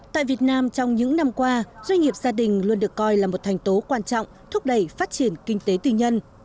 tại việt nam trong những năm qua doanh nghiệp gia đình luôn được coi là một thành tố quan trọng thúc đẩy phát triển kinh tế tư nhân